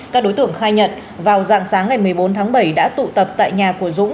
các đối tượng khai nhận vào dạng sáng ngày một mươi bốn tháng bảy đã tụ tập tại nhà của dũng